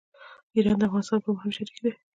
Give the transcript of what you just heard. ایران د افغانستان لپاره مهم شریک دی.